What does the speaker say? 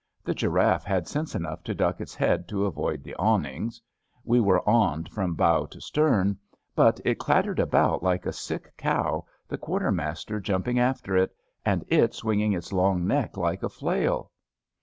The giraffe had sense enough to duck its head to avoid the awnings — ^we were awned from bow to stem — but it clattered about like a sick cow, the quartermaster jumping after it, and it smnging its long neck like a flail.